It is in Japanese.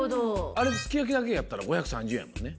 あれすき焼きだけやったら５３０円やもんね。